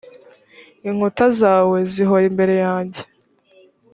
inkuta zawe zihora imbere yanjye